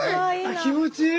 気持ちいい！